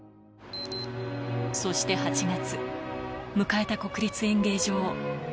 そして８月、迎えた国立演芸場。